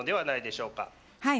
はい。